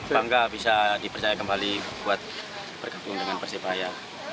bangga bisa dipercaya kembali buat bergabung dengan persebaya